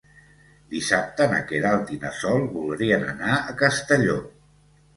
Dissabte na Queralt i na Sol voldrien anar a Castelló.